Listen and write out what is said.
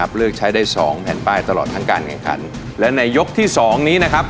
เลือกใช้ได้สองแผ่นป้ายตลอดทั้งการแข่งขันและในยกที่สองนี้นะครับ